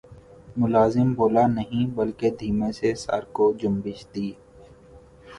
ملازم بولا نہیں بلکہ دھیمے سے سر کو جنبش دی